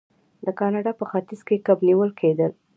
د کاناډا په ختیځ کې کب نیول کیدل.